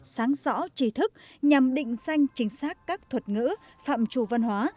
sáng rõ trí thức nhằm định danh chính xác các thuật ngữ phạm trù văn hóa